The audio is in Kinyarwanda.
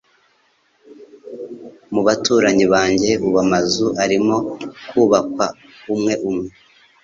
Mu baturanyi banjye ubu amazu arimo kubakwa umwe umwe